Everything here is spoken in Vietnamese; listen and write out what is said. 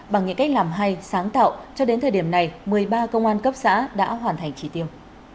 bằng những cách làm hay sáng tạo cho đến thời điểm này một mươi ba công an cấp xã đã hoàn thành chỉ tiêu